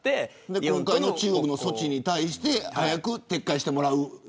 今回の中国の措置を早く撤回してもらう。